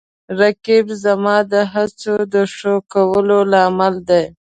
رقیب زما د هڅو د ښه کولو لامل دی